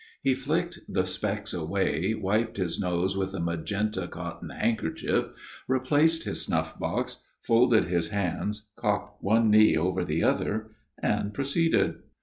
He flicked the specks away, wiped his nose with a magenta cotton hand kerchief, replaced his snuff box, folded his hands, cocked one knee over the other, and proceeded.